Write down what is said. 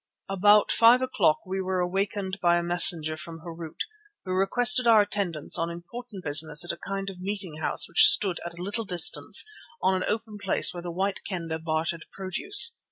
About five o'clock we were awakened by a messenger from Harût, who requested our attendance on important business at a kind of meeting house which stood at a little distance on an open place where the White Kendah bartered produce.